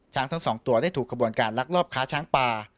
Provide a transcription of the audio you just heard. ทั้งสองตัวได้ถูกขบวนการลักลอบค้าช้างป่า